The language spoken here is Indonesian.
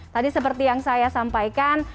tadi seperti yang saya sampaikan